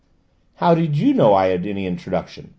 "How do you know I had any introduction?"